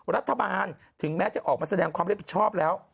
รัฐบาลถึงแม้จะออกมาแสดงความรับผิดชอบแล้ว